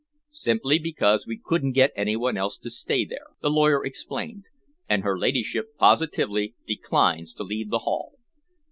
"Simply because we couldn't get any one else to stay there," the lawyer explained, "and her ladyship positively declines to leave the Hall.